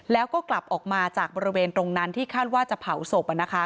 แล้วก็กลับออกมาจากบริเวณตรงนั้นที่คาดว่าจะเผาศพ